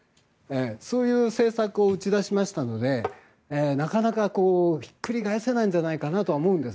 そういう政策を打ち出しましたのでなかなかひっくり返せないんじゃないかなと思うんです。